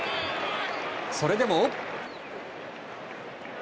それでも。